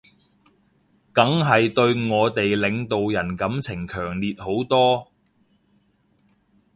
梗係對我哋領導人感情強烈好多